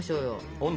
温度？